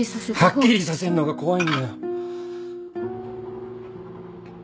はっきりさせるのが怖いんだよ。